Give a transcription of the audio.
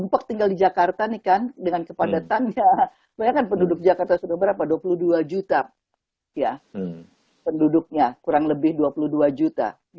kumpul tinggal di jakarta dengan kepadatannya mereka penduduk jakarta sudah berapa dua puluh dua juta penduduknya kurang lebih dua puluh dua juta